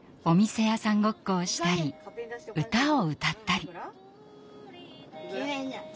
お店屋さんごっこをしたり歌を歌ったり。